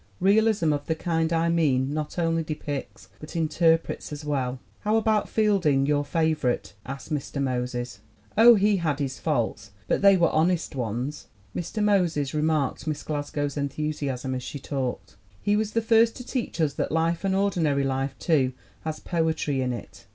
Realism of the kind I mean not only depicts, but interprets as well." "How about Fielding, your favorite?" asked Mr. Moses. "Oh, he had his faults, but they were honest ones." Mr. Moses remarked Miss Glasgow's enthusiasm as she talked. "He was the first to teach us that life and ordinary life, too has poetry in it.